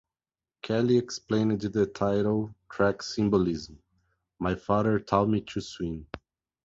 Kelly explained the title track's symbolism: My father taught me to swim.